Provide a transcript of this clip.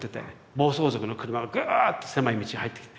暴走族の車がグーッと狭い道に入ってきて。